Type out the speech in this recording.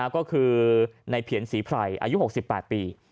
ก็คือในเพียรศรีไพรอายุ๖๘ปี